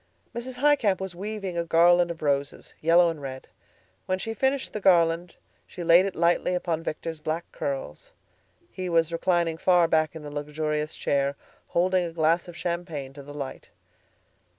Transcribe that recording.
Mrs. Highcamp was weaving a garland of roses, yellow and red. When she had finished the garland, she laid it lightly upon Victor's black curls. He was reclining far back in the luxurious chair, holding a glass of champagne to the light.